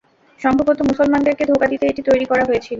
সম্ভবত মুসলমানদেরকে ধোঁকা দিতে এটি তৈরি করা হয়েছিল।